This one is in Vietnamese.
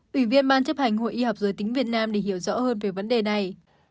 ủy viên ban chấp hành hội y học giới tính việt nam để hiểu rõ hơn về vấn đề này